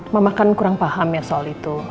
mama kan kurang paham ya soal itu